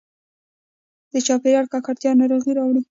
د چاپېریال ککړتیا ناروغي راوړي.